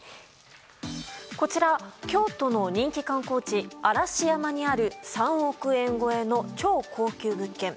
こちら京都の人気観光地・嵐山にある３億円超えの超高級物件。